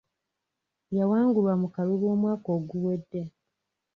Yawangulwa mu kalulu omwaka oguwedde.